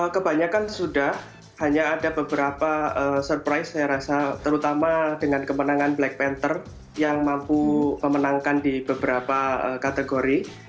kebanyakan sudah hanya ada beberapa surprise saya rasa terutama dengan kemenangan black panther yang mampu memenangkan di beberapa kategori